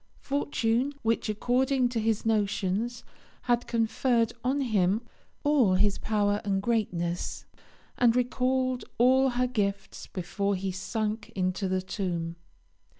Fortune, which, according to his notions, had conferred on him all his power and greatness, had recalled all her gifts before he sank into the tomb.